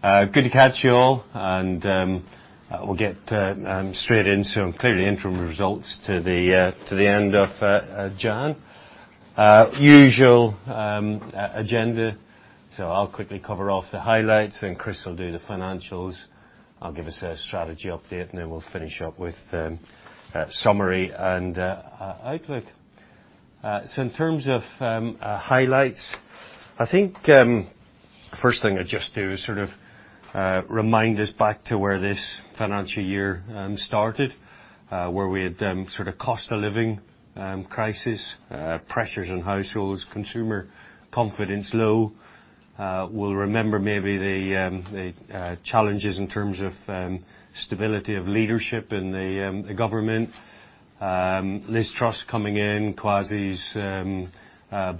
Good to catch you all, we'll get straight into clearly interim results to the end of January. Usual agenda, I'll quickly cover off the highlights and Chris will do the financials. I'll give us a strategy update, then we'll finish up with summary and outlook. In terms of highlights, I think first thing I'd just do is sort of remind us back to where this financial year started, where we had sort of cost of living crisis, pressures on households, consumer confidence low. We'll remember maybe the challenges in terms of stability of leadership in the government, Liz Truss coming in, Kwasi's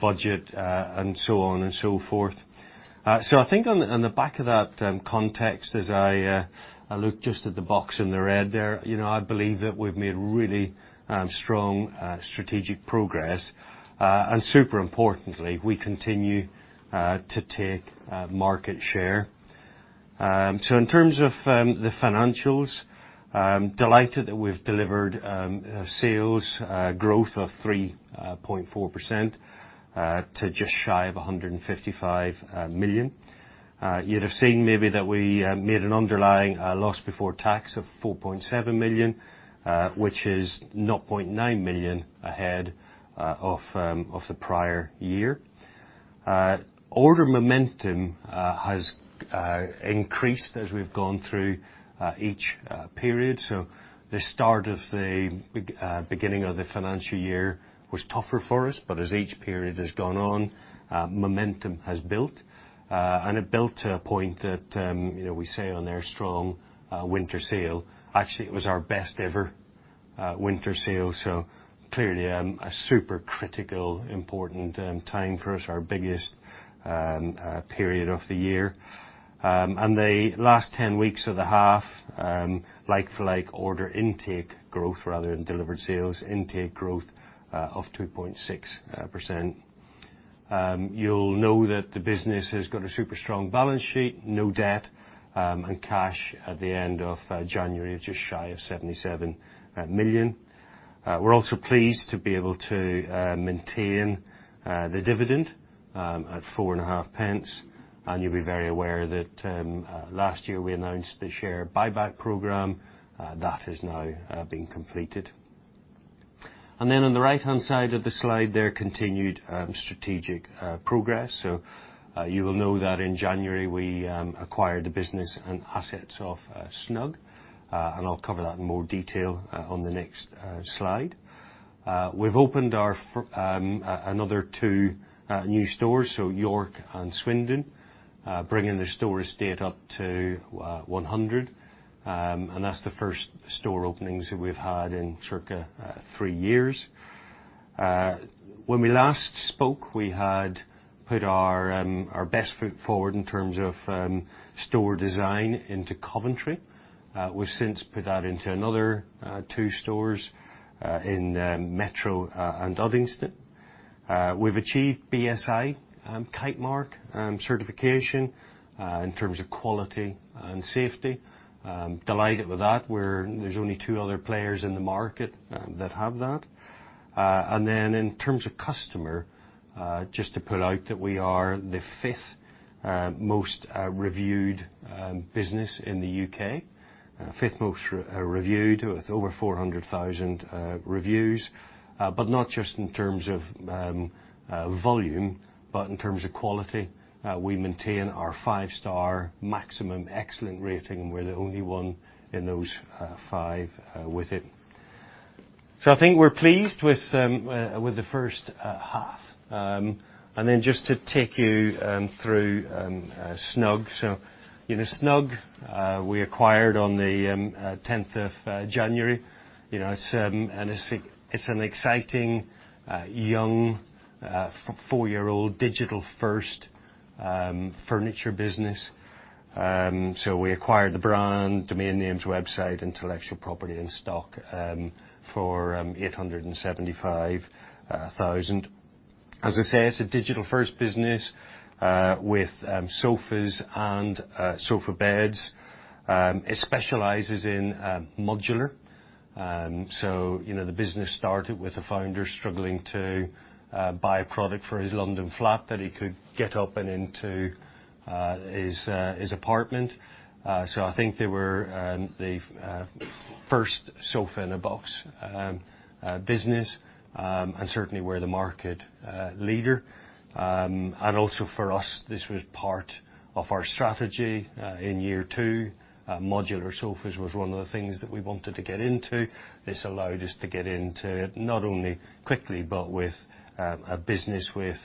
budget, and so on and so forth. I think on the back of that context as I look just at the box in the red there, you know, I believe that we've made really strong strategic progress. Super importantly, we continue to take market share. In terms of the financials, I'm delighted that we've delivered sales growth of 3.4% to just shy of 155 million. You'd have seen maybe that we made an underlying loss before tax of 4.7 million, which is 0.9 million ahead of the prior year. Order momentum has increased as we've gone through each period, the start of the beginning of the financial year was tougher for us, but as each period has gone on, momentum has built. It built to a point that, you know, we say on their strong winter sale, actually, it was our best ever winter sale, clearly a super critical important time for us, our biggest period of the year. The last 10 weeks of the half, like-for-like order intake growth rather than delivered sales, intake growth, of 2.6%. You'll know that the business has got a super strong balance sheet, no debt, and cash at the end of January is just shy of 77 million. We're also pleased to be able to maintain the dividend at 0.045, and you'll be very aware that last year, we announced the share buyback program that has now been completed. On the right-hand side of the slide, there continued strategic progress. You will know that in January, we acquired the business and assets of Snug, and I'll cover that in more detail on the next slide. We've opened our another two new stores, so York and Swindon, bringing the store estate up to 100. That's the first store openings that we've had in circa three years. When we last spoke, we had put our best foot forward in terms of store design into Coventry. We've since put that into another two stores in Metro and Uddingston. We've achieved BSI Kitemark certification in terms of quality and safety. Delighted with that. There's only two other players in the market that have that. In terms of customer, just to put out that we are the fifth most reviewed business in the U.K. Fifth most reviewed with over 400,000 reviews. Not just in terms of volume, but in terms of quality. We maintain our five-star maximum excellent rating. We're the only one in those five with it. I think we're pleased with the first half. Then just to take you through Snug. You know, Snug, we acquired on the tenth of January. You know, it's and it's an exciting young four-year-old digital-first furniture business. We acquired the brand, domain names, website, intellectual property and stock for 875 thousand. As I say, it's a digital-first business with sofas and sofa beds. It specializes in modular. You know, the business started with a founder struggling to buy a product for his London flat that he could get up and into his apartment. I think they were the first sofa in a box business and certainly we're the market leader. Also for us, this was part of our strategy. In year two, modular sofas was one of the things that we wanted to get into. This allowed us to get into it not only quickly but with a business with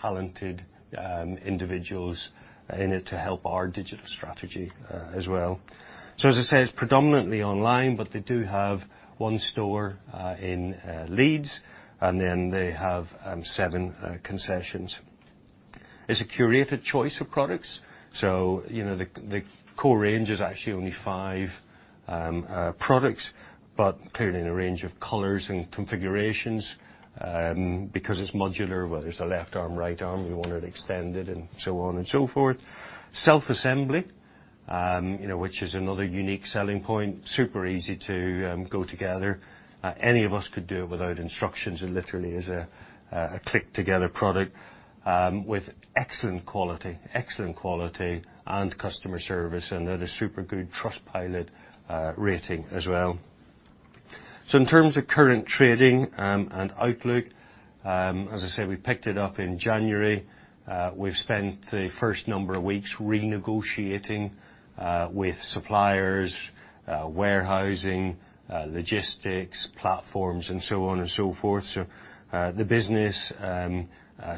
talented individuals in it to help our digital strategy as well. As I say, it's predominantly online, but they do have one store in Leeds, and then they have seven concessions. It's a curated choice of products, you know, the core range is actually only five products, but clearly in a range of colors and configurations. Because it's modular, whether it's a left arm, right arm, we want it extended and so on and so forth. Self-assembly. You know, which is another unique selling point. Super easy to go together. Any of us could do it without instructions. It literally is a click-together product with excellent quality and customer service, and they had a super good Trustpilot rating as well. In terms of current trading and outlook, as I said, we picked it up in January. We've spent the first number of weeks renegotiating with suppliers, warehousing, logistics, platforms, and so on and so forth. The business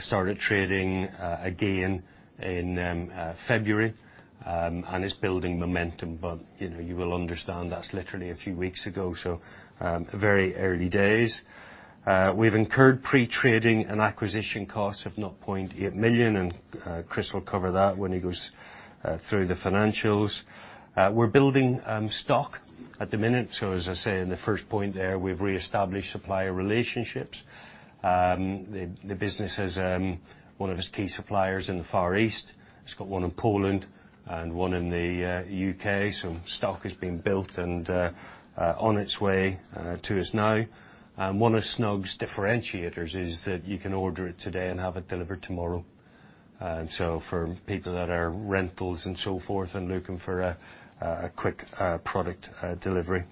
started trading again in February and is building momentum, but, you know, you will understand that's literally a few weeks ago, very early days. We've incurred pre-trading and acquisition costs of 0.8 million, and Chris will cover that when he goes through the financials. We're building stock at the minute, so as I say in the first point there, we've reestablished supplier relationships. The business has one of its key suppliers in the Far East. It's got one in Poland and one in the U.K., stock is being built and on its way to us now. One of Snug's differentiators is that you can order it today and have it delivered tomorrow. For people that are rentals and so forth and looking for a quick product delivery.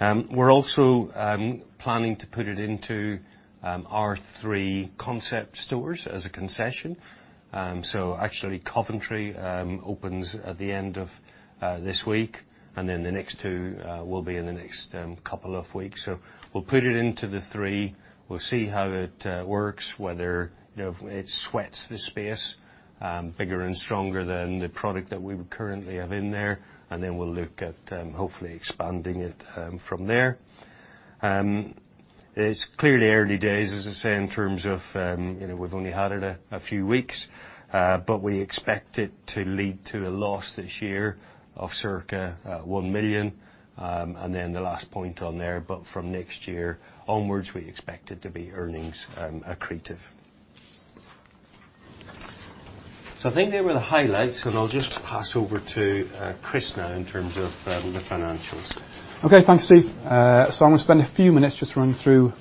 We're also planning to put it into our three concept stores as a concession. Actually Coventry opens at the end of this week, and then the next two will be in the next couple of weeks. We'll put it into the three. We'll see how it works, whether, you know, it sweats the space bigger and stronger than the product that we currently have in there, and then we'll look at hopefully expanding it from there. It's clearly early days, as I say, in terms of, you know, we've only had it a few weeks, but we expect it to lead to a loss this year of circa 1 million. The last point on there, but from next year onwards, we expect it to be earnings, accretive. I think they were the highlights, and I'll just pass over to Chris now in terms of the financials. Okay. Thanks, Steve. I'm gonna spend a few minutes just running through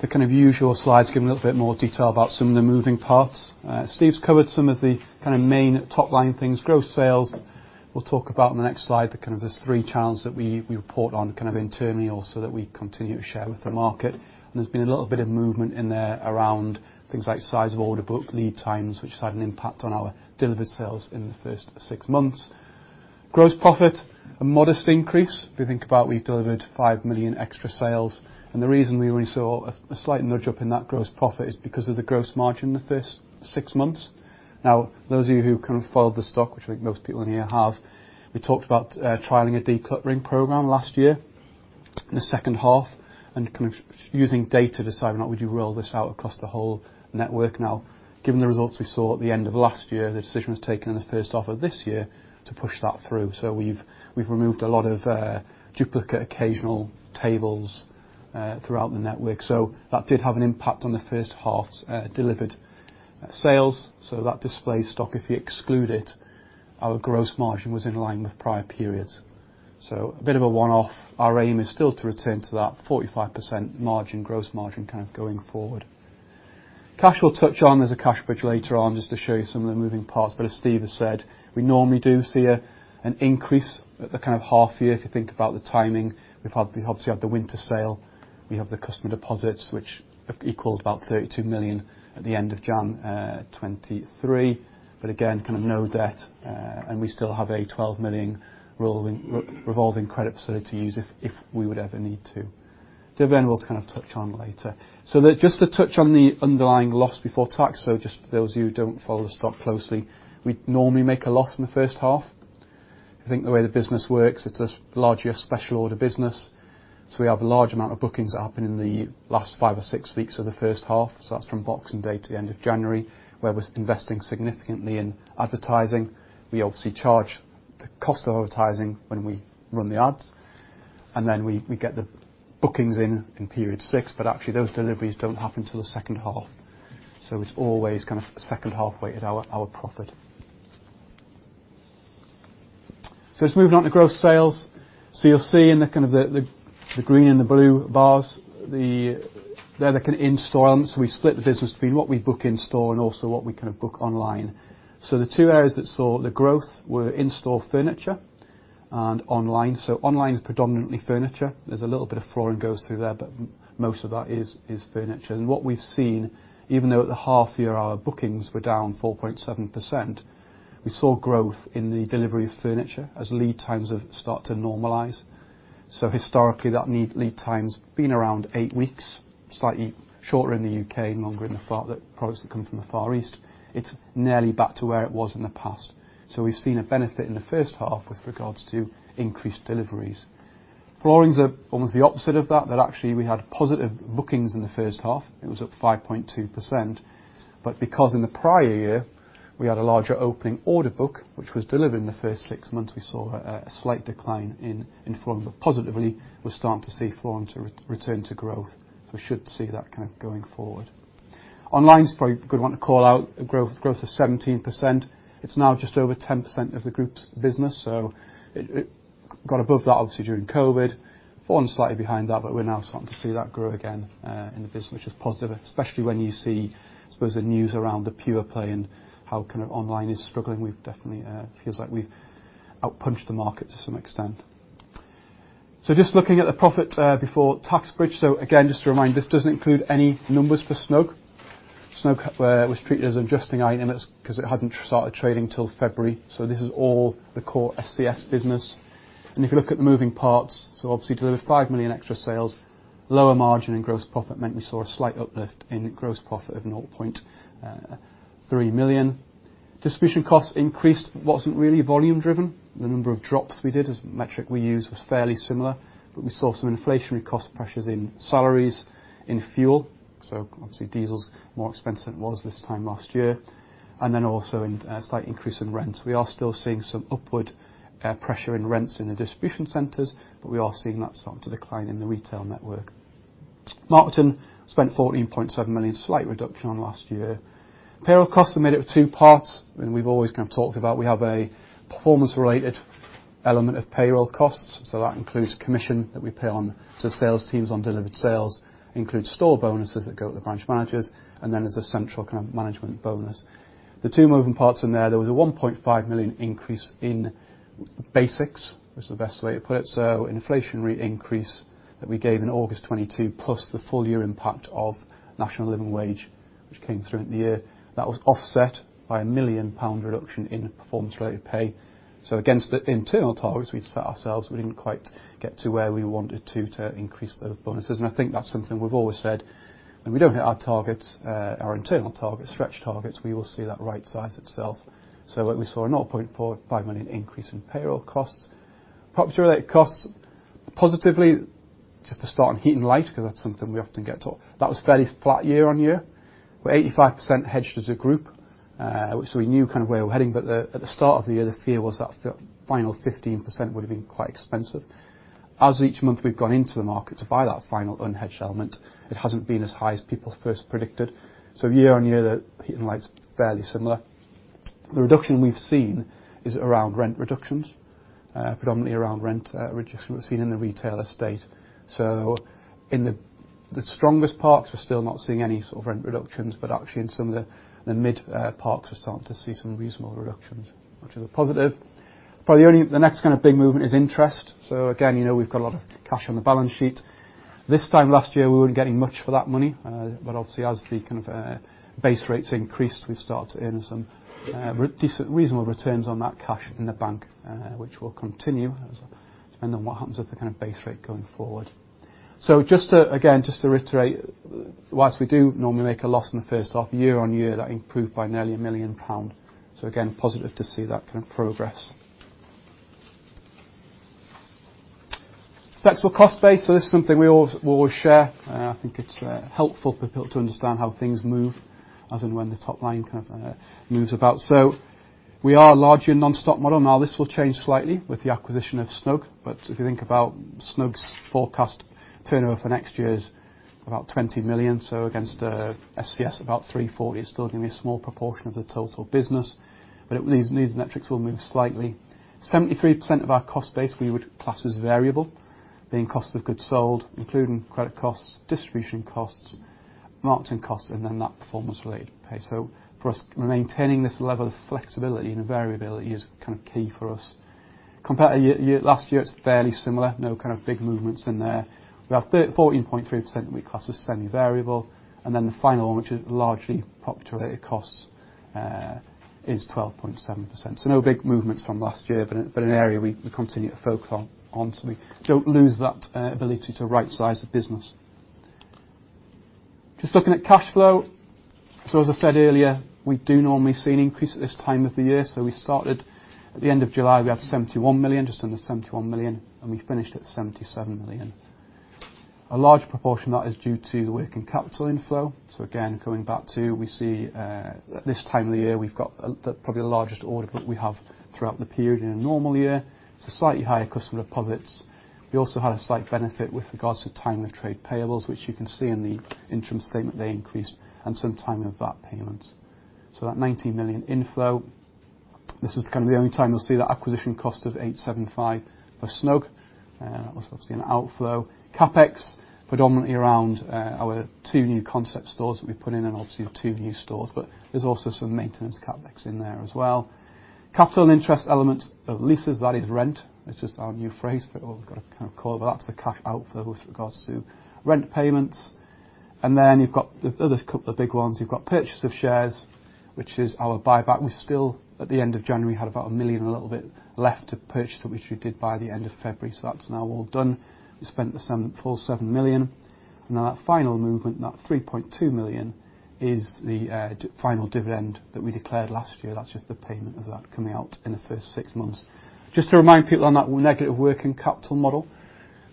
the kind of usual slides, giving a little bit more detail about some of the moving parts. Steve's covered some of the kind of main top-line things. Gross sales, we'll talk about in the next slide the kind of those three channels that we report on kind of internally also that we continue to share with the market. There's been a little bit of movement in there around things like size of order book, lead times, which has had an impact on our delivered sales in the first six months. Gross profit, a modest increase. If you think about we've delivered 5 million extra sales, the reason we only saw a slight nudge up in that gross profit is because of the gross margin in the first six months. Those of you who kind of followed the stock, which I think most people in here have, we talked about trialing a decluttering program last year in the second half and kind of using data to decide on would you roll this out across the whole network now. Given the results we saw at the end of last year, the decision was taken in the first half of this year to push that through. We've removed a lot of duplicate occasional tables throughout the network. That did have an impact on the first half's delivered sales. That displays stock. If you exclude it, our gross margin was in line with prior periods. A bit of a one-off. Our aim is still to return to that 45% margin, gross margin kind of going forward. Cash, we'll touch on. There's a cash bridge later on just to show you some of the moving parts. As Steve has said, we normally do see an increase at the kind of half year. If you think about the timing, we obviously had the winter sale. We have the customer deposits, which equaled about 32 million at the end of January 2023. Again, kind of no debt, and we still have a 12 million rolling revolving credit facility to use if we would ever need to. Dividend, we'll kind of touch on later. Just to touch on the underlying loss before tax, just for those of you who don't follow the stock closely, we'd normally make a loss in the first half. I think the way the business works, it's a largely a special order business, so we have a large amount of bookings that happen in the last five or six weeks of the first half. That's from Boxing Day to the end of January, where we're investing significantly in advertising. We obviously charge the cost of advertising when we run the ads, and then we get the bookings in period six, but actually those deliveries don't happen till the second half. It's always kind of second half weighted, our profit. Just moving on to growth sales. You'll see in the kind of the green and the blue bars, they're the kind of in-store. We split the business between what we book in-store and also what we kind of book online. The two areas that saw the growth were in-store furniture and online. Online is predominantly furniture. There's a little bit of flooring goes through there, but most of that is furniture. What we've seen, even though at the half year, our bookings were down 4.7%, we saw growth in the delivery of furniture as lead times have start to normalize. Historically, that need lead time's been around eight weeks, slightly shorter in the U.K., longer in the products that come from the Far East. It's nearly back to where it was in the past. We've seen a benefit in the first half with regards to increased deliveries. Floorings are almost the opposite of that, actually we had positive bookings in the first half. It was up 5.2%. Because in the prior year, we had a larger opening order book, which was delivered in the first six months, we saw a slight decline in flooring. Positively, we're starting to see flooring to return to growth. We should see that kind of going forward. Online is probably a good one to call out. Growth is 17%. It's now just over 10% of the Group's business. It got above that obviously during COVID, fallen slightly behind that, but we're now starting to see that grow again in the business, which is positive, especially when you see, I suppose, the news around the pure play and how kind of online is struggling. We've definitely feels like we've outpunched the market to some extent. Just looking at the profit before tax bridge. Again, just to remind, this doesn't include any numbers for Snug. Snug was treated as an adjusting item, that's 'cause it hadn't started trading till February. This is all the core ScS business. If you look at the moving parts, obviously, delivered 5 million extra sales, lower margin and gross profit meant we saw a slight uplift in gross profit of 0.3 million. Distribution costs increased, wasn't really volume driven. The number of drops we did as the metric we use was fairly similar. We saw some inflationary cost pressures in salaries, in fuel. Obviously, diesel's more expensive than it was this time last year. Also in a slight increase in rent. We are still seeing some upward pressure in rents in the distribution centers, but we are seeing that start to decline in the retail network. Marketing spent 14.7 million, slight reduction on last year. Payroll costs are made up of two parts. We've always kind of talked about we have a performance-related element of payroll costs. That includes commission that we pay on to sales teams on delivered sales, includes store bonuses that go to the branch managers, and then there's an essential kind of management bonus. The two moving parts in there was a 1.5 million increase in basics, which is the best way to put it. Inflationary increase that we gave in August 2022, plus the full year impact of National Living Wage, which came through in the year. That was offset by a 1 million pound reduction in performance-related pay. Against the internal targets we'd set ourselves, we didn't quite get to where we wanted to increase the bonuses. I think that's something we've always said, when we don't hit our targets, our internal targets, stretch targets, we will see that right size itself. We saw a 0.45 million increase in payroll costs. Property-related costs, positively, just to start on heat and light 'cause that's something we often get taught. That was fairly flat year-on-year. We're 85% hedged as a group, which we knew kind of where we're heading. At the start of the year, the fear was that the final 15% would have been quite expensive. As each month we've gone into the market to buy that final unhedged element, it hasn't been as high as people first predicted. Year-on-year, the heat and light's fairly similar. The reduction we've seen is around rent reductions, predominantly around rent reductions seen in the retail estate. In the strongest parts, we're still not seeing any sort of rent reductions, but actually in some of the mid parts, we're starting to see some reasonable reductions, which is a positive. Probably only the next kind of big movement is interest. Again, you know, we've got a lot of cash on the balance sheet. This time last year, we weren't getting much for that money. Obviously as the kind of base rates increased, we've started to earn some decent, reasonable returns on that cash in the bank, which will continue depending on what happens with the kind of base rate going forward. Just to, again, just to reiterate, whilst we do normally make a loss in the first half, year-on-year, that improved by nearly 1 million pound. Again, positive to see that kind of progress. Flexible cost base, this is something we'll share. I think it's helpful for people to understand how things move as in when the top line kind of moves about. We are largely a non-stock model. Now this will change slightly with the acquisition of Snug. If you think about Snug's forecast turnover for next year is about 20 million. Against the ScS, about 340 million, it's still going to be a small proportion of the total business. These, these metrics will move slightly. 73% of our cost base we would class as variable, being cost of goods sold, including credit costs, distribution costs, marketing costs, and then that performance-related pay. For us, maintaining this level of flexibility and variability is kind of key for us. Compare to year last year, it's fairly similar, no kind of big movements in there. We have 14.3% we class as semi-variable, and then the final, which is largely property-related costs, is 12.7%. No big movements from last year, but an area we continue to focus on, so we don't lose that ability to rightsize the business. Just looking at cash flow. As I said earlier, we do normally see an increase at this time of the year. We started at the end of July, we had 71 million, just under 71 million, and we finished at 77 million. A large proportion that is due to the working capital inflow. Again, coming back to we see at this time of the year, we've got the, probably the largest order book we have throughout the period in a normal year. Slightly higher customer deposits. We also had a slight benefit with regards to time of trade payables, which you can see in the interim statement, they increased and some timing of that payment. That 19 million inflow, this is kind of the only time you'll see that acquisition cost of 875 for Snug. That was obviously an outflow. CapEx, predominantly around our two new concept stores that we put in and obviously two new stores, but there's also some maintenance CapEx in there as well. Capital and interest element of leases, that is rent, which is our new phrase for what we've got to kind of call it, but that's the cash outflow with regards to rent payments. You've got the other couple of big ones. You've got purchase of shares, which is our buyback. We still, at the end of January, had about 1 million, a little bit left to purchase, which we did by the end of February. That's now all done. We spent the full 7 million. That final movement, that 3.2 million, is the final dividend that we declared last year. That's just the payment of that coming out in the first six months. Just to remind people on that negative working capital model.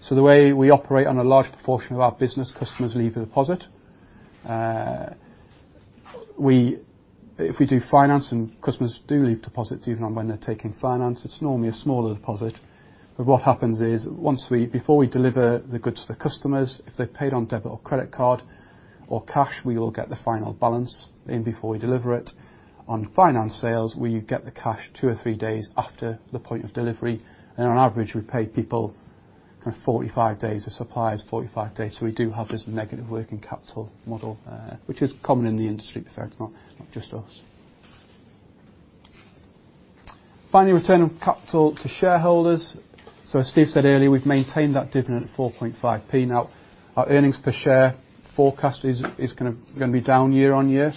The way we operate on a large proportion of our business, customers leave a deposit. If we do finance and customers do leave deposits even when they're taking finance, it's normally a smaller deposit. What happens is once before we deliver the goods to the customers, if they've paid on debit or credit card or cash, we will get the final balance in before we deliver it. On finance sales, we get the cash two or three days after the point of delivery. On average, we pay people kind of 45 days, the suppliers 45 days. We do have this negative working capital model, which is common in the industry, to be fair, it's not just us. Finally, return on capital to shareholders. As Steve said earlier, we've maintained that dividend at 0.045. Our earnings per share forecast is going to be down year-on-year.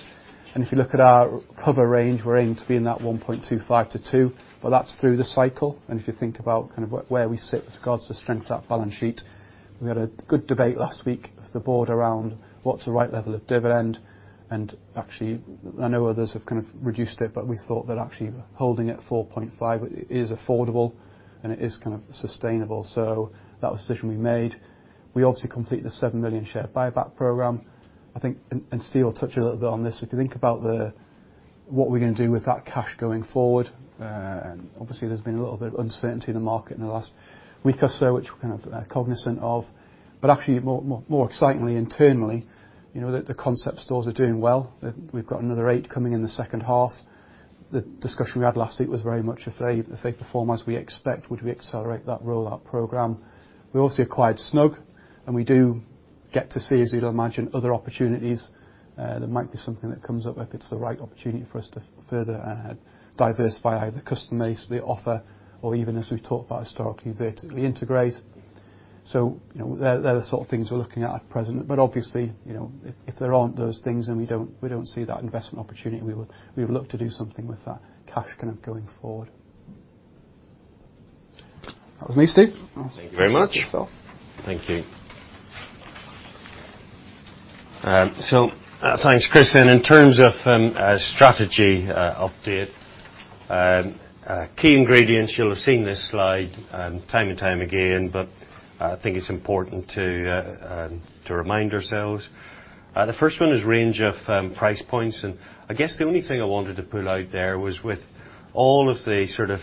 If you look at our cover range, we're aiming to be in that 0.0125-0.02, but that's through the cycle. If you think about kind of where we sit with regards to strength of that balance sheet, we had a good debate last week with the board around what's the right level of dividend. Actually, I know others have kind of reduced it, but we thought that actually holding it at 0.045 Is affordable and it is kind of sustainable. That was the decision we made. We obviously completed the 7 million share buyback program. I think. Steve will touch a little bit on this. If you think about the, what we're gonna do with that cash going forward, obviously there's been a little bit of uncertainty in the market in the last week or so, which we're kind of cognizant of. Actually, more excitingly internally, you know, the concept stores are doing well. We've got another eight coming in the second half. The discussion we had last week was very much if they perform as we expect, would we accelerate that rollout program? We also acquired Snug. We do get to see, as you'd imagine, other opportunities. There might be something that comes up if it's the right opportunity for us to further diversify either customer base, the offer, or even as we've talked about historically, vertically integrate. You know, they're the sort of things we're looking at present. Obviously, you know, if there aren't those things and we don't see that investment opportunity, we would look to do something with that cash kind of going forward. That was me, Steve. Thank you very much. I'll let Steve take it off. Thank you. So, thanks, Chris. In terms of a strategy update, key ingredients, you'll have seen this slide time and time again, but I think it's important to remind ourselves. The first one is range of price points. I guess the only thing I wanted to pull out there was with all of the sort of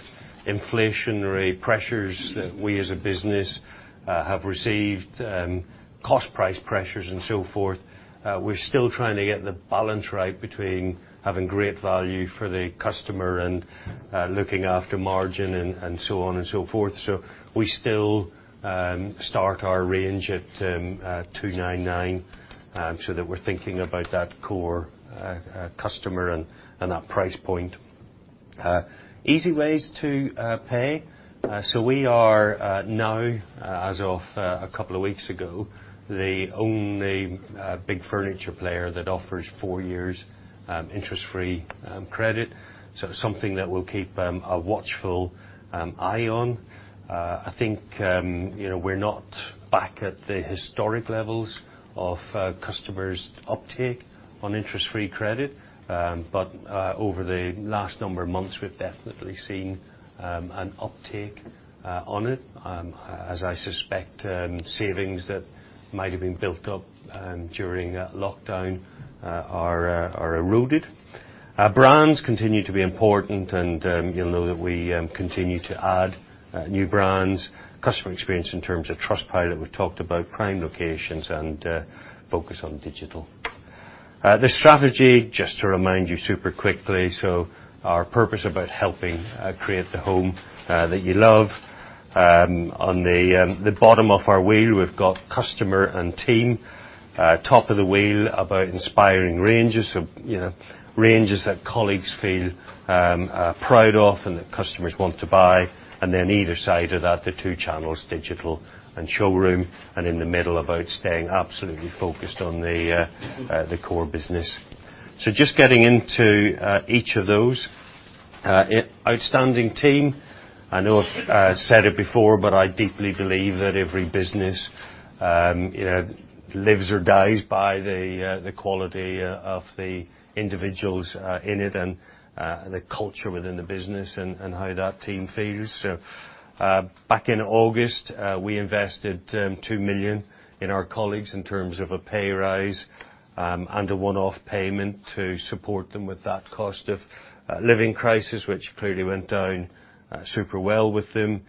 inflationary pressures that we as a business have received, cost price pressures and so forth, we're still trying to get the balance right between having great value for the customer and looking after margin and so on and so forth. We still start our range at 299, so that we're thinking about that core customer and that price point. Easy ways to pay. We are now, as of a couple of weeks ago, the only big furniture player that offers four years interest-free credit. Something that we'll keep a watchful eye on. I think, you know, we're not back at the historic levels of customers' uptake on interest-free credit. Over the last number of months, we've definitely seen an uptake on it, as I suspect savings that might have been built up during that lockdown are eroded. Our brands continue to be important, you'll know that we continue to add new brands. Customer experience in terms of Trustpilot, we talked about prime locations, focus on digital. The strategy, just to remind you super quickly. Our purpose about helping create the home that you love. On the bottom of our wheel, we've got customer and team. Top of the wheel about inspiring ranges, so you know, ranges that colleagues feel proud of and that customers want to buy. Either side of that, the two channels, digital and showroom, and in the middle about staying absolutely focused on the core business. Just getting into each of those. Outstanding team. I know I've said it before, but I deeply believe that every business, you know, lives or dies by the quality of the individuals in it and the culture within the business and how that team feels. Back in August, we invested 2 million in our colleagues in terms of a pay rise and a one-off payment to support them with that cost of living crisis, which clearly went down super well with them.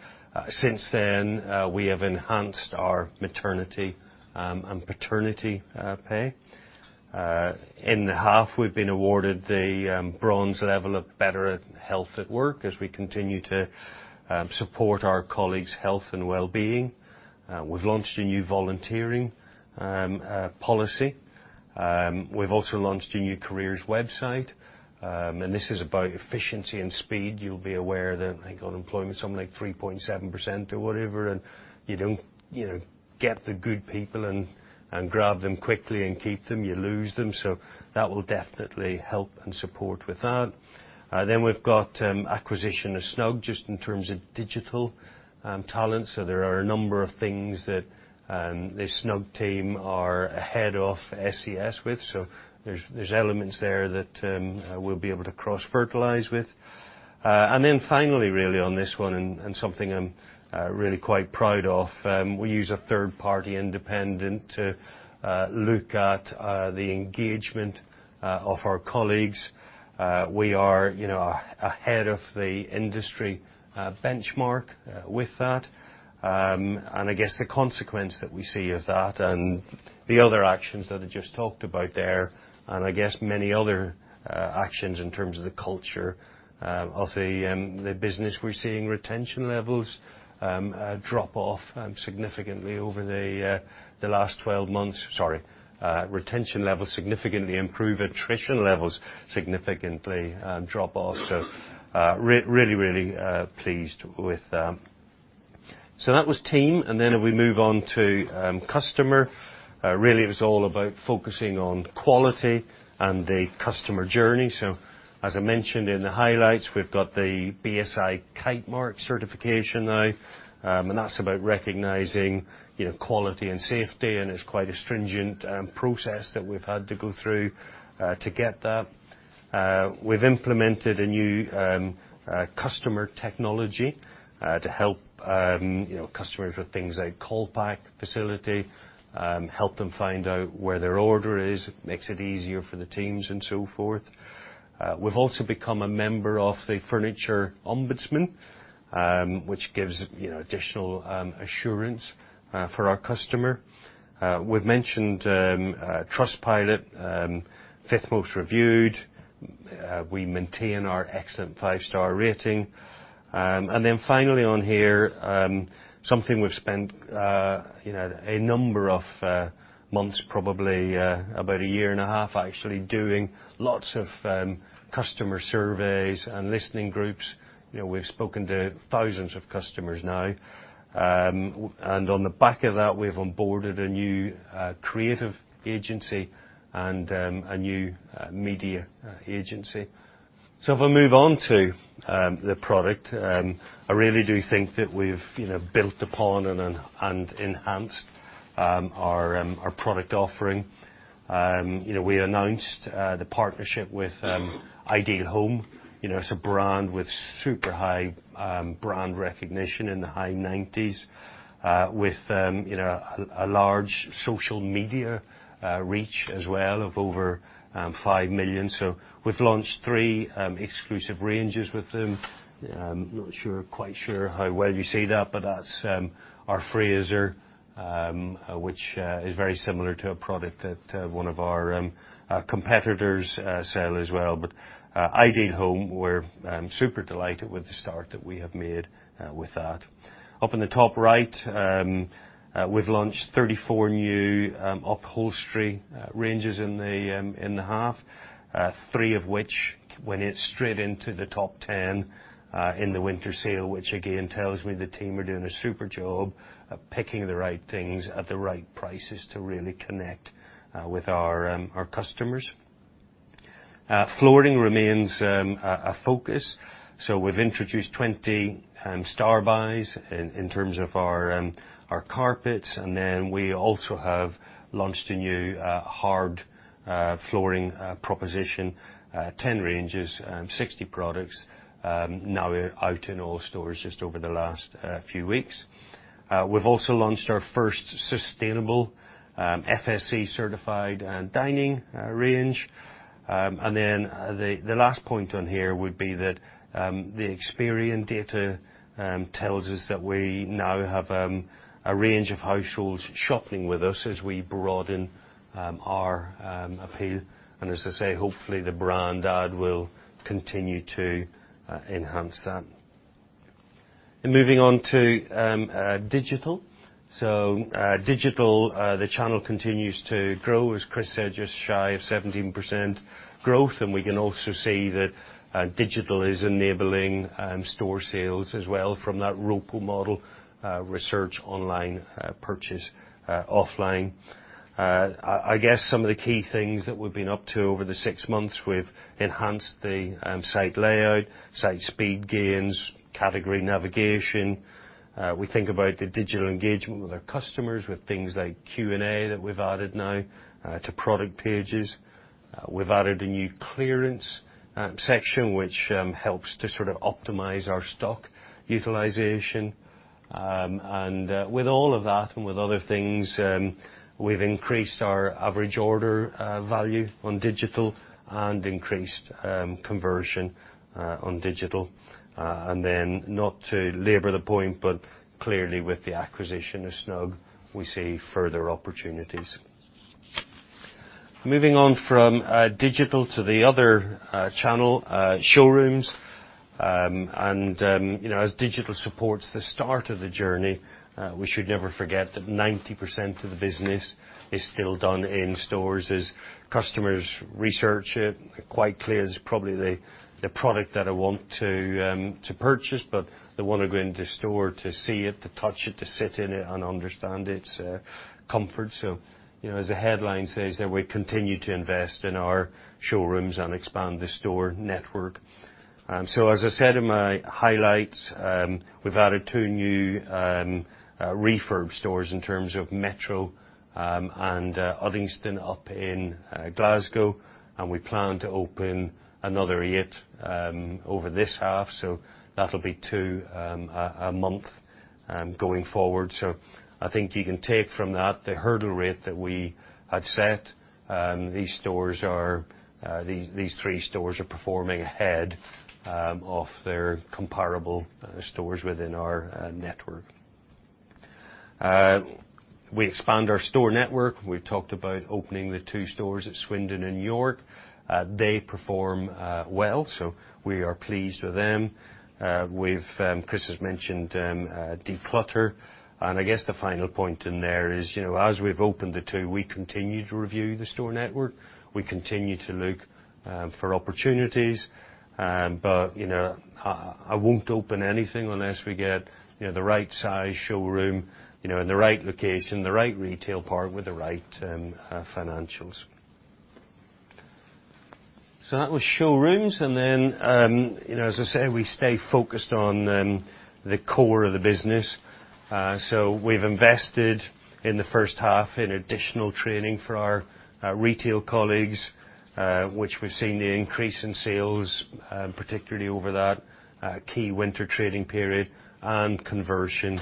Since then, we have enhanced our maternity and paternity pay. In the half, we've been awarded the bronze level of Better Health at Work as we continue to support our colleagues' health and wellbeing. We've launched a new volunteering policy. We've also launched a new careers website. This is about efficiency and speed. You'll be aware that I think unemployment is something like 3.7% or whatever. You don't, you know, get the good people, grab them quickly and keep them, you lose them. That will definitely help and support with that. Then we've got acquisition of Snug just in terms of digital talent. There are a number of things that the Snug team are ahead of ScS with. There's elements there that we'll be able to cross-fertilize with. Then finally, really, on this one, and something I'm really quite proud of, we use a third-party independent to look at the engagement of our colleagues. We are, you know, ahead of the industry benchmark with that. I guess the consequence that we see of that and the other actions that I just talked about there, and I guess many other actions in terms of the culture of the business, we're seeing retention levels drop off significantly over the last 12 months. Sorry. Retention levels significantly improve, attrition levels significantly drop off. Really, really pleased with. That was team, and then we move on to customer. Really it was all about focusing on quality and the customer journey. As I mentioned in the highlights, we've got the BSI Kitemark certification now, and that's about recognizing, you know, quality and safety, and it's quite a stringent process that we've had to go through to get that. We've implemented a new customer technology to help, you know, customers with things like callback facility, help them find out where their order is, makes it easier for the teams and so forth. We've also become a member of the Furniture Ombudsman, which gives, you know, additional assurance for our customer. We've mentioned Trustpilot, fifth most reviewed. We maintain our excellent five-star rating. Finally on here, something we've spent, you know, a number of months, probably about a year and a half actually, doing lots of customer surveys and listening groups. You know, we've spoken to thousands of customers now. And on the back of that, we've onboarded a new creative agency and a new media agency. If I move on to the product, I really do think that we've, you know, built upon and enhanced our product offering. You know, we announced the partnership with Ideal Home, you know, it's a brand with super high brand recognition in the high 90s, with, you know, a large social media reach as well of over 5 million. We've launched three exclusive ranges with them. Not sure, quite sure how well you see that, but that's our Fraser, which is very similar to a product that one of our competitors sell as well. Ideal Home, we're super delighted with the start that we have made with that. Up in the top right, we've launched 34 new upholstery ranges in the half, three of which went in straight into the top 10 in the winter sale, which again tells me the team are doing a super job of picking the right things at the right prices to really connect with our customers. Flooring remains a focus, so we've introduced 20 star buys in terms of our carpets, and then we also have launched a new hard flooring proposition, 10 ranges, 60 products now out in all stores just over the last few weeks. We've also launched our first sustainable, FSC-certified dining range. Then, the last point on here would be that the Experian data tells us that we now have a range of households shopping with us as we broaden our appeal. As I say, hopefully, the brand ad will continue to enhance that. Moving on to digital. Digital, the channel continues to grow. As Chris said, just shy of 17% growth, and we can also see that digital is enabling store sales as well from that ROPO model, research online, purchase offline. I guess some of the key things that we've been up to over the six months, we've enhanced the site layout, site speed gains, category navigation. We think about the digital engagement with our customers with things like Q&A that we've added now to product pages. We've added a new clearance section which helps to sort of optimize our stock utilization. With all of that, and with other things, we've increased our average order value on digital and increased conversion on digital. Not to labor the point, but clearly with the acquisition of Snug, we see further opportunities. Moving on from digital to the other channel, showrooms. You know, as digital supports the start of the journey, we should never forget that 90% of the business is still done in stores as customers research it. Quite clear it's probably the product that I want to purchase, but they wanna go into store to see it, to touch it, to sit in it and understand its comfort. You know, as the headline says there, we continue to invest in our showrooms and expand the store network. As I said in my highlights, we've added two new refurb stores in terms of Metrocentre and Uddingston up in Glasgow. We plan to open another eight over this half, so that'll be two a month going forward. I think you can take from that the hurdle rate that we had set, these three stores are performing ahead of their comparable stores within our network. We expand our store network. We talked about opening the two stores at Swindon and York. They perform well, so we are pleased with them. Chris has mentioned declutter. I guess the final point in there is, you know, as we've opened the two, we continue to review the store network, we continue to look for opportunities. But, you know, I won't open anything unless we get, you know, the right size showroom, you know, in the right location, the right retail partner with the right financials. That was showrooms. Then, you know, as I said, we stay focused on the core of the business. We've invested in the first half in additional training for our retail colleagues, which we've seen the increase in sales, particularly over that key winter trading period, and conversion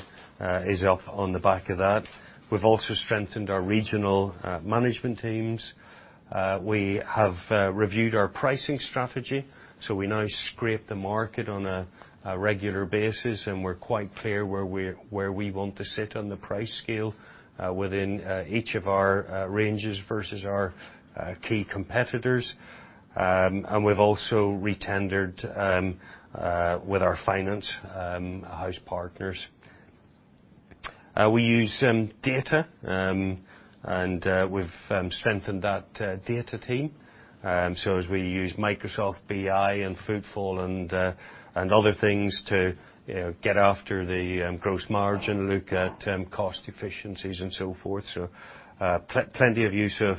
is up on the back of that. We've also strengthened our regional management teams. We have reviewed our pricing strategy, so we now scrape the market on a regular basis, and we're quite clear where we want to sit on the price scale, within each of our ranges versus our key competitors. We've also retendered with our finance house partners. We use data, and we've strengthened that data team. As we use Microsoft BI and Footfall and other things to, you know, get after the gross margin, look at cost efficiencies and so forth. Plenty of use of,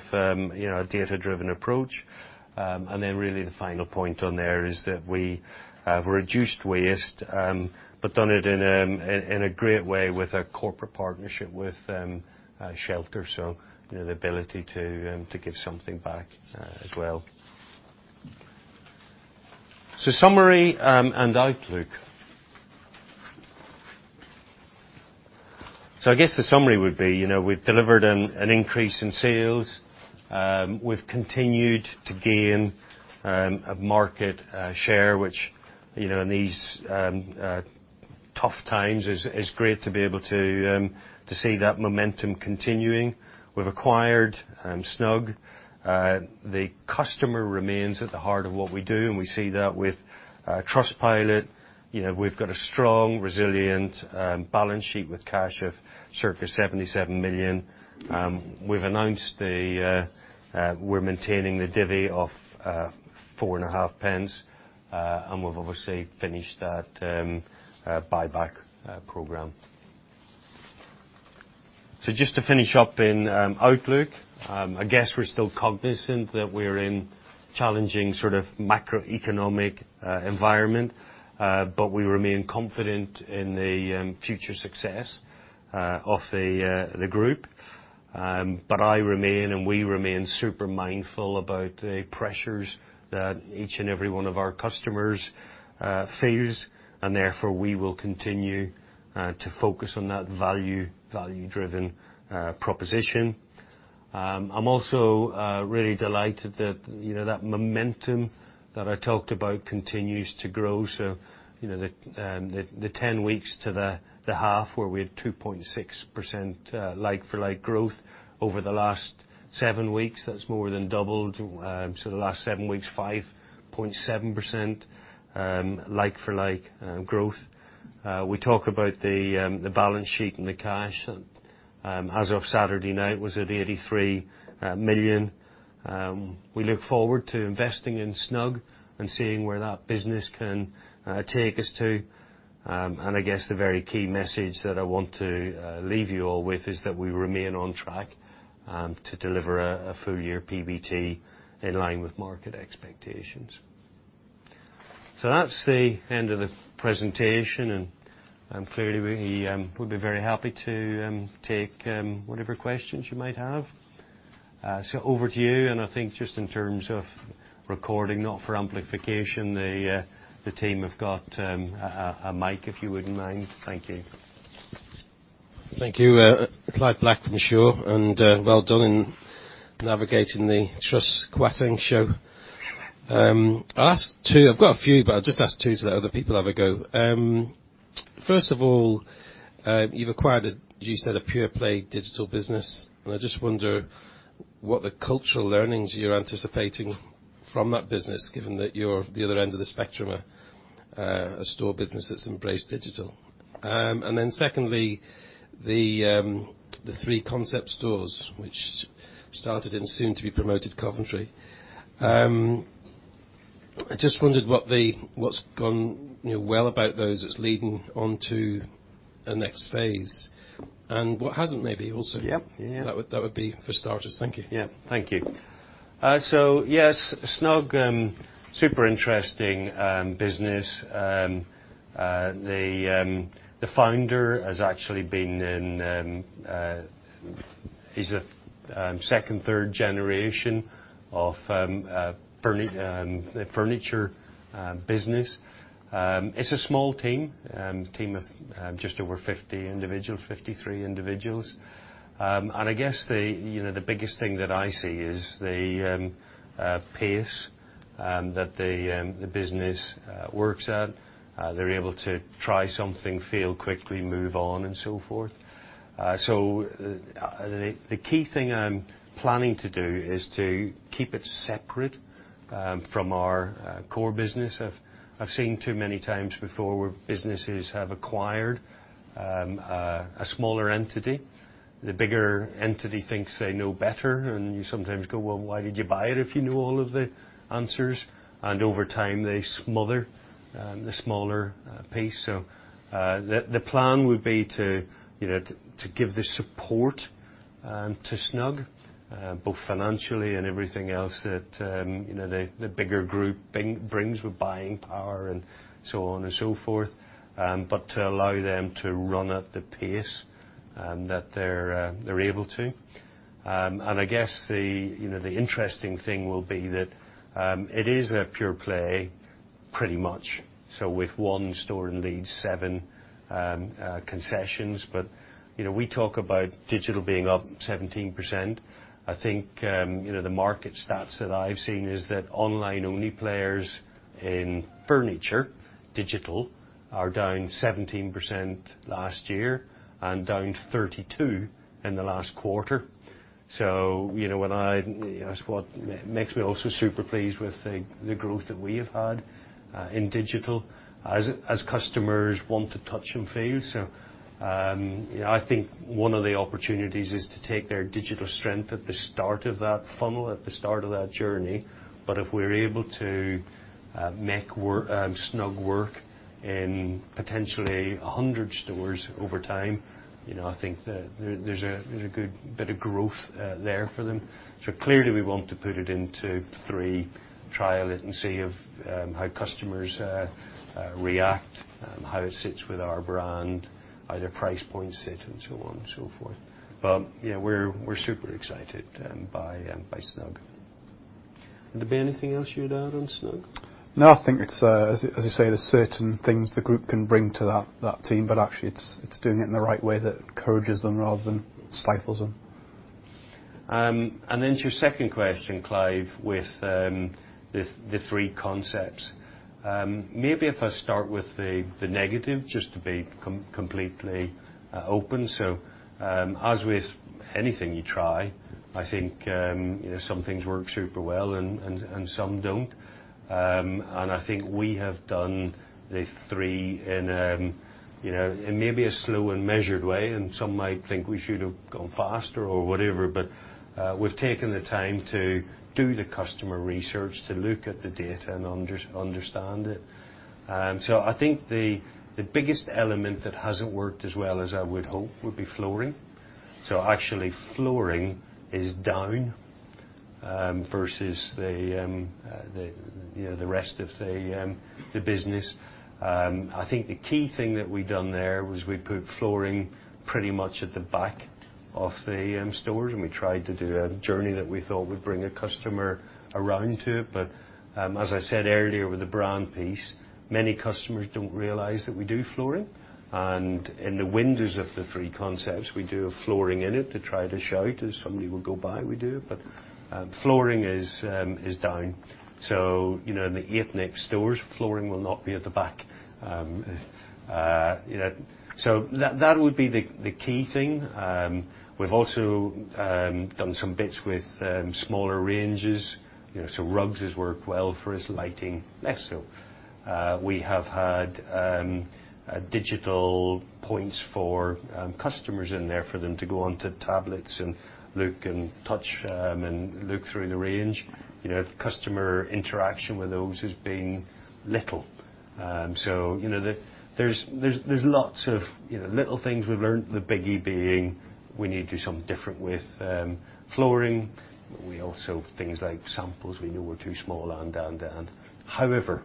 you know, a data-driven approach. And then really the final point on there is that we have reduced waste, but done it in a great way with a corporate partnership with Shelter, so you know, the ability to give something back as well. Summary and outlook. I guess the summary would be, you know, we've delivered an increase in sales. We've continued to gain a market share, which, you know, in these tough times is great to be able to see that momentum continuing. We've acquired Snug. The customer remains at the heart of what we do, we see that with Trustpilot. You know, we've got a strong, resilient balance sheet with cash of 77 million. We've announced we're maintaining the divvy of four and a half pence. We've obviously finished that buyback program. Just to finish up in outlook, I guess we're still cognizant that we're in challenging sort of macroeconomic environment. We remain confident in the future success of the Group. I remain and we remain super mindful about the pressures that each and every one of our customers feels, therefore we will continue to focus on that value-driven proposition. I'm also really delighted that that momentum that I talked about continues to grow. The 10 weeks to the half where we had 2.6% like for like growth over the last seven weeks, that's more than doubled. The last seven weeks, 5.7% like for like growth. We talk about the balance sheet and the cash as of Saturday night was at 83 million. We look forward to investing in Snug and seeing where that business can take us to. I guess the very key message that I want to leave you all with is that we remain on track to deliver a full year PBT in line with market expectations. That's the end of the presentation, and clearly we would be very happy to take whatever questions you might have. Over to you, and I think just in terms of recording, not for amplification, the team have got a mic if you wouldn't mind. Thank you. Thank you. Clive Black from Shore Capital, and well done in navigating the Truss-Kwarteng show. I'll ask two. I've got a few, but I'll just ask two so that other people have a go. First of all, you've acquired a, you said a pure play digital business, and I just wonder what the cultural learnings you're anticipating from that business, given that you're the other end of the spectrum, a store business that's embraced digital. Secondly, the three concept stores which started in soon to be promoted Coventry. I just wondered what's gone, you know, well about those that's leading on to a next phase and what hasn't maybe also. Yep. Yeah. That would be for starters. Thank you. Yeah. Thank you. Yes, Snug, super interesting business. The founder is a second, third generation of the furniture business. It's a small team. Team of just over 50 individuals, 53 individuals. I guess, you know, the biggest thing that I see is the pace that the business works at. They're able to try something, fail quickly, move on and so forth. The key thing I'm planning to do is to keep it separate from our core business. I've seen too many times before where businesses have acquired a smaller entity. The bigger entity thinks they know better. You sometimes go, "Well, why did you buy it if you knew all of the answers?" Over time they smother, the smaller, piece. The plan would be to, you know, to give the support to Snug, both financially and everything else that, you know, the bigger group brings with buying power and so on and so forth. To allow them to run at the pace that they're able to. I guess the, you know, the interesting thing will be that, it is a pure play pretty much, so with one store in Leeds, seven concessions. You know, we talk about digital being up 17%. I think, you know, the market stats that I've seen is that online-only players in furniture, digital, are down 17% last year and down to 32% in the last quarter. You know, when I... That's what makes me also super pleased with the growth that we have had in digital as customers want to touch and feel. You know, I think one of the opportunities is to take their digital strength at the start of that funnel, at the start of that journey. If we're able to make work Snug work in potentially 100 stores over time, you know, I think there's a good bit of growth there for them. Clearly we want to put it into three, trial it and see if, how customers react, how it sits with our brand, how the price point sits and so on and so forth. Yeah, we're super excited, by Snug. Would there be anything else you'd add on Snug? No, I think it's, as you say, there's certain things the group can bring to that team, but actually it's doing it in the right way that encourages them rather than stifles them. Then to your second question, Clive, with the three concepts. Maybe if I start with the negative, just to be completely open. As with anything you try, I think, you know, some things work super well and some don't. I think we have done the three in, you know, in maybe a slow and measured way, and some might think we should have gone faster or whatever. We've taken the time to do the customer research, to look at the data and understand it. I think the biggest element that hasn't worked as well as I would hope would be flooring. Actually, flooring is down versus the, you know, the rest of the business. I think the key thing that we've done there was we put flooring pretty much at the back of the stores, we tried to do a journey that we thought would bring a customer around to it. As I said earlier with the brand piece, many customers don't realize that we do flooring. In the windows of the three concepts, we do have flooring in it to try to show it as somebody would go by, we do. Flooring is down. You know, in the eight NIP stores, flooring will not be at the back. You know, that would be the key thing. We've also done some bits with smaller ranges. You know, rugs has worked well for us, lighting less so. We have had digital points for customers in there for them to go onto tablets and look and touch them and look through the range. You know, customer interaction with those has been little. So, you know, There's lots of, you know, little things we've learned, the biggie being we need to do something different with flooring. We also, things like samples we knew were too small and. However,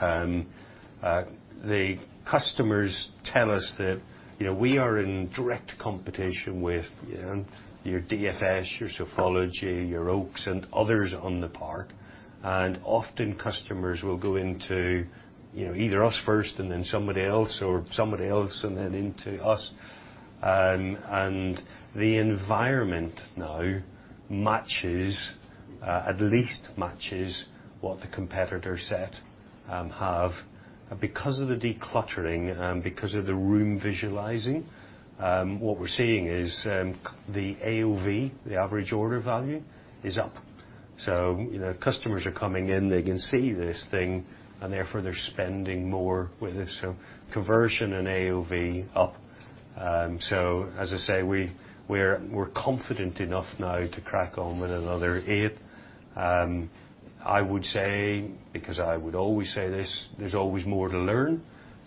the customers tell us that, you know, we are in direct competition with, you know, your DFS, your Sofology, your Oaks and others on the park. Often customers will go into, you know, either us first and then somebody else, or somebody else and then into us. The environment now matches at least matches what the competitor set have. Because of the decluttering and because of the room visualizing, what we're seeing is, the AOV, the average order value, is up. You know, customers are coming in, they can see this thing and therefore they're spending more with us. Conversion and AOV up. As I say, we're confident enough now to crack on with another eight. I would say, because I would always say this, there's always more to learn.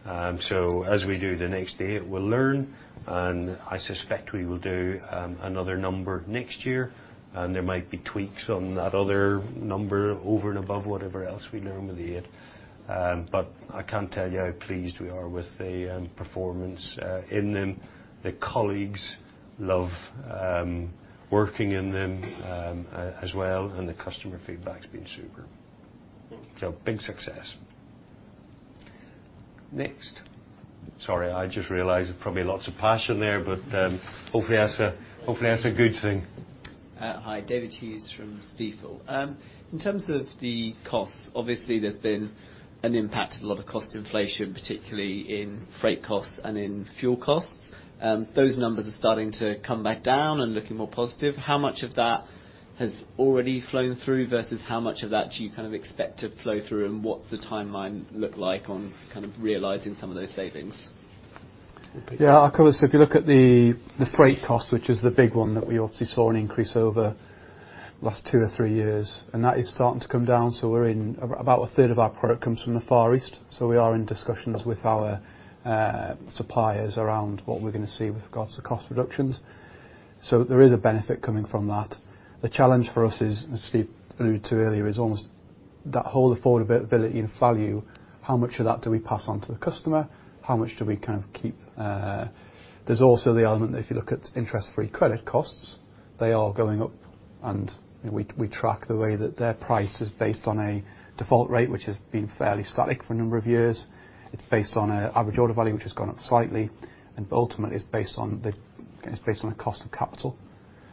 As we do the next eight, we'll learn and I suspect we will do, another number next year, and there might be tweaks on that other number over and above whatever else we learn with the eight. I can't tell you how pleased we are with the, Performance in them. The colleagues love working in them as well, and the customer feedback's been super. Big success. Next. Sorry, I just realized there's probably lots of passion there, but hopefully that's a good thing. Hi, David Hughes from Stifel. In terms of the costs, obviously there's been an impact of a lot of cost inflation, particularly in freight costs and in fuel costs. Those numbers are starting to come back down and looking more positive. How much of that has already flown through versus how much of that do you expect to flow through, and what's the timeline look like on realizing some of those savings? Yeah, I'll cover. If you look at the freight cost, which is the big one that we obviously saw an increase over last two or three years, and that is starting to come down. About a third of our product comes from the Far East, so we are in discussions with our suppliers around what we're gonna see with regards to cost reductions. There is a benefit coming from that. The challenge for us is, as Steve alluded to earlier, is almost that whole affordability and value, how much of that do we pass on to the customer? How much do we kind of keep? There's also the element that if you look at interest-free credit costs, they are going up and we track the way that their price is based on a default rate, which has been fairly static for a number of years. It's based on a average order value, which has gone up slightly, and ultimately it's based on a cost of capital,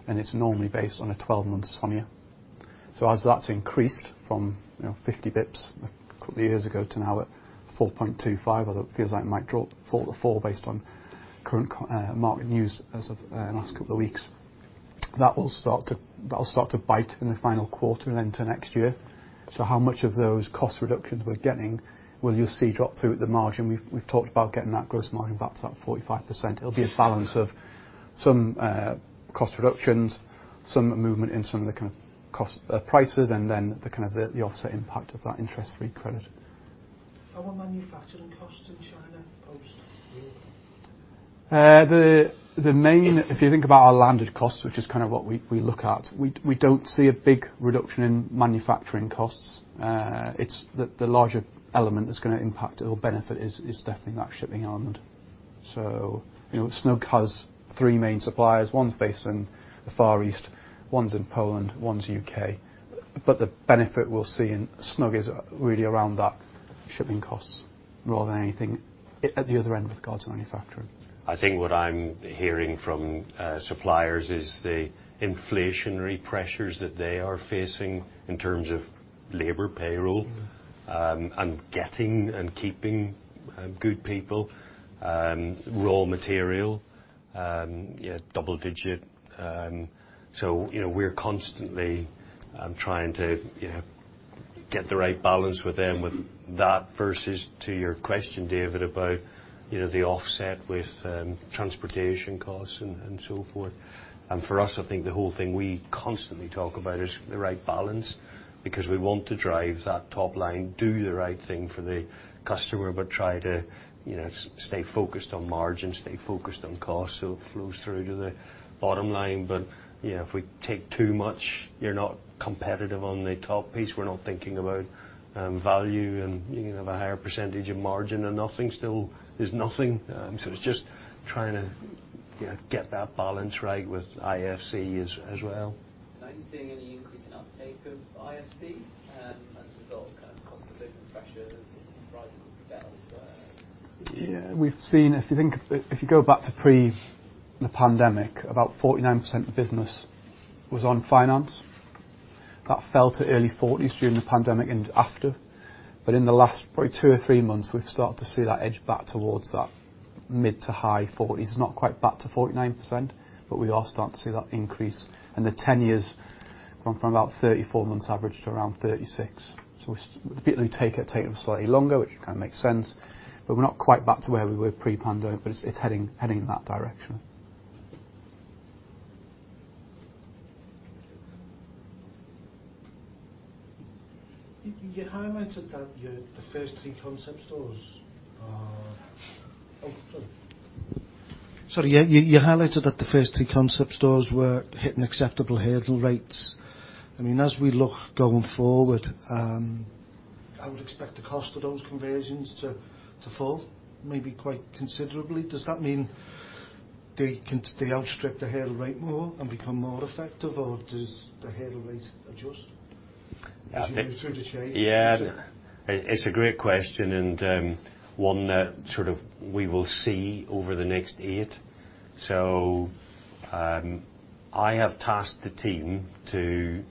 and it's normally based on a 12-month sum year. As that's increased from, you know, 50 bps a couple years ago to now at 4.25%, although it feels like it might drop 4%-4% based on current market news as of the last couple of weeks, that'll start to bite in the final quarter and into next year. How much of those cost reductions we're getting will you see drop through at the margin? We've talked about getting that gross margin back to that 45%. It'll be a balance of some cost reductions, some movement in some of the kind of cost prices, and then the kind of the offset impact of that interest-free credit. How are manufacturing costs in China post-COVID? If you think about our landed costs, which is kind of what we look at, we don't see a big reduction in manufacturing costs. It's the larger element that's gonna impact it or benefit is definitely that shipping element. You know, Snug has three main suppliers. One's based in the Far East, one's in Poland, one's U.K. The benefit we'll see in Snug is really around that shipping costs more than anything at the other end with regards to manufacturing. I think what I'm hearing from suppliers is the inflationary pressures that they are facing in terms of labor payroll, and getting and keeping good people, raw material, you know, double-digit. You know, we're constantly trying to, you know, get the right balance with them with that versus to your question, David, about, you know, the offset with transportation costs and so forth. For us, I think the whole thing we constantly talk about is the right balance because we want to drive that top line, do the right thing for the customer, but try to, you know, stay focused on margin, stay focused on cost, so it flows through to the bottom line. You know, if we take too much, you're not competitive on the top piece. We're not thinking about value, and you can have a higher percentage of margin and nothing still is nothing. It's just trying to, you know, get that balance right with IFC as well. Are you seeing any increase in uptake of IFC as a result of kind of cost of living pressures and rising sales? We've seen. If you go back to pre the pandemic, about 49% of the business was on finance. That fell to early 40s during the pandemic and after. In the last probably two or three months, we've started to see that edge back towards that mid to high 40s. Not quite back to 49%, but we are starting to see that increase. The 10 years gone from about 34 months average to around 36. The people who take it are taking it slightly longer, which kind of makes sense, but we're not quite back to where we were pre-pandemic, but it's heading in that direction. Oh, sorry. Sorry. You highlighted that the first three concept stores were hitting acceptable hurdle rates. I mean, as we look going forward, I would expect the cost of those conversions to fall maybe quite considerably. Does that mean they outstrip the hurdle rate more and become more effective, or does the hurdle rate adjust as you go through the chain? It's a great question and one that sort of we will see over the next eight. I have tasked the team to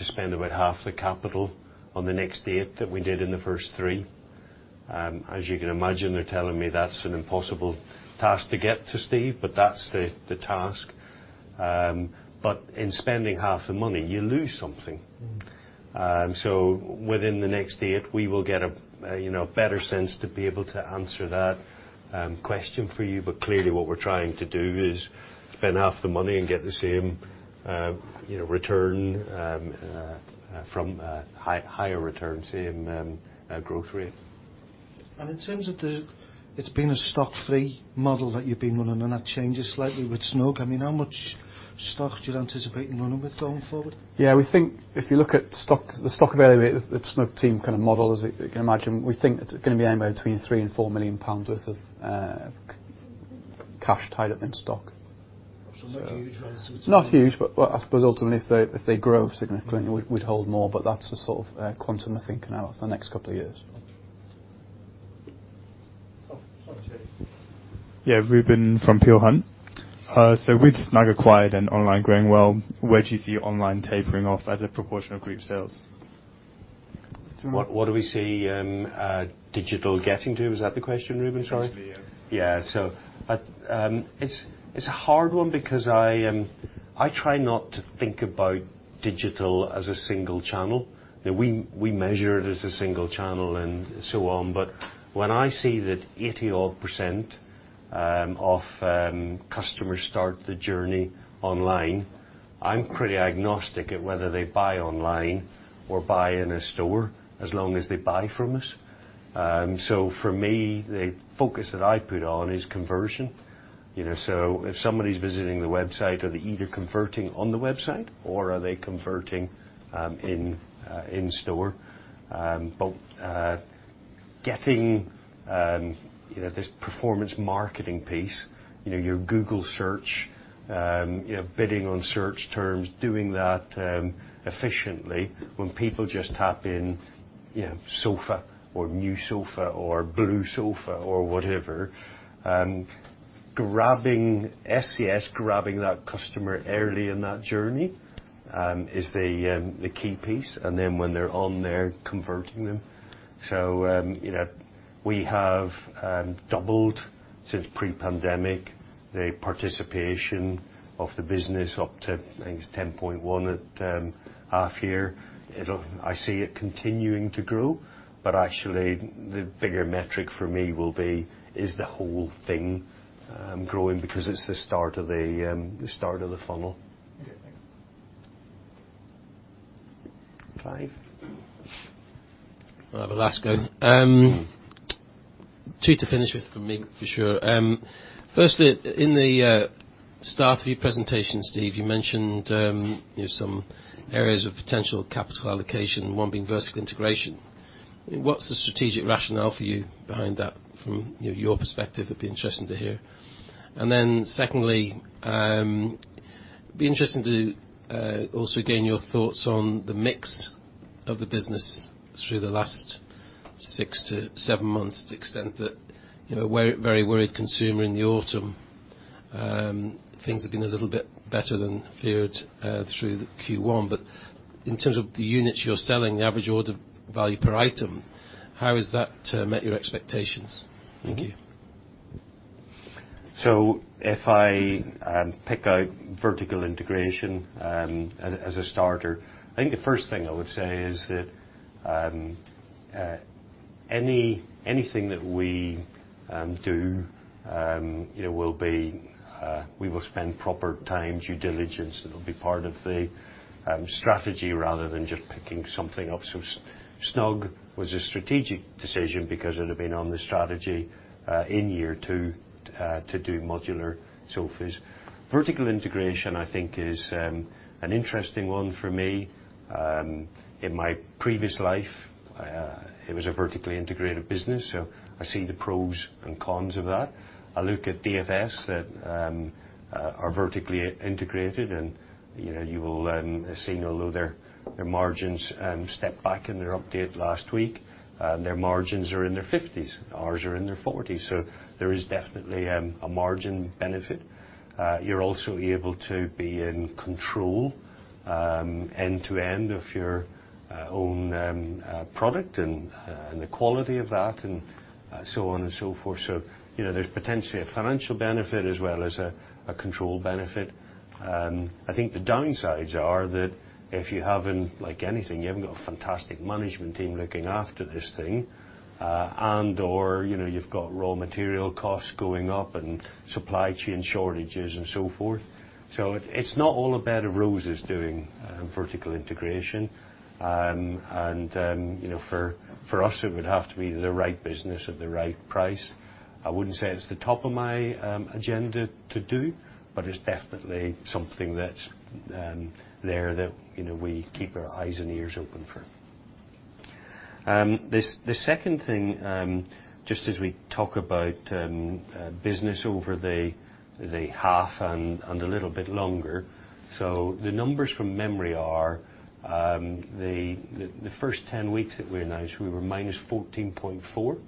spend about half the capital on the next eight that we did in the first three. As you can imagine, they're telling me that's an impossible task to get to, Steve, but that's the task. In spending half the money, you lose something. Mm-hmm. Within the next eight, we will get a, you know, better sense to be able to answer that question for you. Clearly what we're trying to do is spend half the money and get the same, you know, return from higher return, same growth rate. In terms of the-- It's been a stock free model that you've been running and that changes slightly with Snug. I mean, how much-stock do you anticipate running with going forward? Yeah. We think if you look at stock, the stock availability, the Snug team kind of model, as you can imagine, we think it's gonna be anywhere between 3 million and 4 million pounds worth of cash tied up in stock. Not huge amounts. Not huge, but I suppose ultimately if they grow significantly, we'd hold more, but that's the sort of quantum I think now for the next couple of years. Yeah. Ruben from Peel Hunt. With Snug acquired and online growing well, where do you see online tapering off as a proportion of group sales? Through- What do we see digital getting to? Is that the question, Ruben? Sorry. Basically, yeah. It's a hard one because I try not to think about digital as a single channel. You know, we measure it as a single channel and so on, but when I see that odd 80% of customers start the journey online, I'm pretty agnostic at whether they buy online or buy in a store, as long as they buy from us. For me, the focus that I put on is conversion. You know, if somebody's visiting the website, are they either converting on the website or are they converting in store? Getting, you know, this performance marketing piece, you know, your Google search, you know, bidding on search terms, doing that efficiently when people just type in, you know, sofa or new sofa or blue sofa or whatever, grabbing ScS, grabbing that customer early in that journey, is the key piece. When they're on there, converting them. You know, we have doubled since pre-pandemic the participation of the business up to, I think it's 10.1 at half year. I see it continuing to grow, actually the bigger metric for me will be, is the whole thing growing because it's the start of the start of the funnel. Yeah. Thanks. Clive? Well, I have a last go. Two to finish with from me for sure. Firstly, in the start of your presentation, Steve, you mentioned, you know, some areas of potential capital allocation, one being vertical integration. What's the strategic rationale for you behind that from, you know, your perspective? It'd be interesting to hear. Secondly, be interesting to also gain your thoughts on the mix of the business through the last six to seven months to the extent that, you know, a very, very worried consumer in the autumn. Things have been a little bit better than feared through the Q1. In terms of the units you're selling, the average order value per item, how has that met your expectations? Thank you. If I pick out vertical integration as a starter, I think the first thing I would say is that anything that we do, you know, will be, we will spend proper time, due diligence, it will be part of the strategy rather than just picking something up. Snug was a strategic decision because it had been on the strategy in year two to do modular sofas. Vertical integration I think is an interesting one for me. In my previous life, it was a vertically integrated business, so I see the pros and cons of that. I look at DFS that are vertically integrated and, you know, you will have seen although their margins stepped back in their update last week, their margins are in their 50s. Ours are in their forties. There is definitely a margin benefit. You're also able to be in control end to end of your own product and the quality of that and so on and so forth. You know, there's potentially a financial benefit as well as a control benefit. I think the downsides are that if you haven't, like anything, you haven't got a fantastic management team looking after this thing, and/or, you know, you've got raw material costs going up and supply chain shortages and so forth. It's not all a bed of roses doing vertical integration. You know, for us, it would have to be the right business at the right price. I wouldn't say it's the top of my agenda to do, but it's definitely something that's there that, you know, we keep our eyes and ears open for. The second thing, just as we talk about business over the half and a little bit longer. The numbers from memory are the first 10 weeks that we announced we were -14.4%.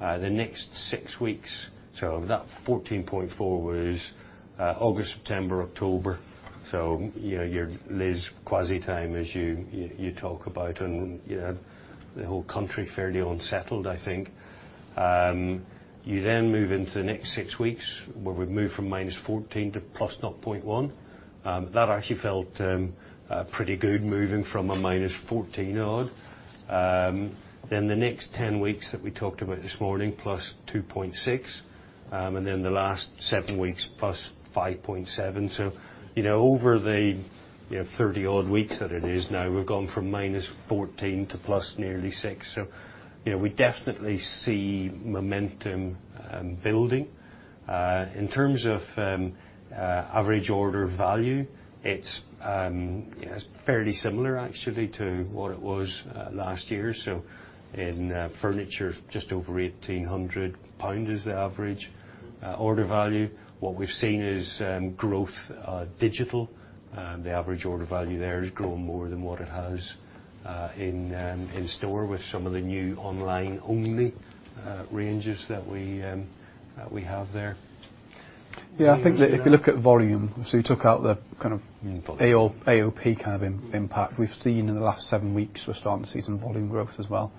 The next six weeks, so that -14.4% was August, September, October. You know, your Liz Truss time as you talk about and, you know, the whole country fairly unsettled, I think. You then move into the next six weeks where we've moved from -14% to +0.1%. That actually felt pretty good moving from a -14% odd. The next 10 weeks that we talked about this morning, +2.6%, the last seven weeks +5.7%. You know, over the, you know, 30 odd weeks that it is now, we've gone from -14% to nearly +6%. You know, we definitely see momentum building. In terms of average order value, it's, you know, it's fairly similar actually to what it was last year. In furniture, just over 1,800 pound is the average order value. What we've seen is growth digital. The average order value there has grown more than what it has in store with some of the new online only ranges that we that we have there. Yeah, I think that if you look at volume, so you took out AOP kind of impact. We've seen in the last seven weeks we're starting to see some volume growth as well.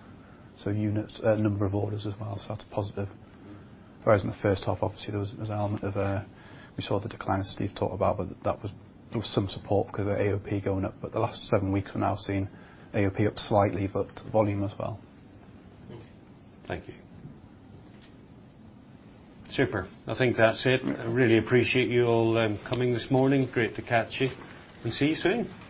Units, number of orders as well, so that's a positive. Whereas in the first half, obviously, there was an element of, we saw the declines Steve talked about, but that was. There was some support 'cause of AOP going up, but the last seven weeks we've now seen AOP up slightly, but volume as well. Thank you. Super. I think that's it. I really appreciate you all coming this morning. Great to catch you and see you soon.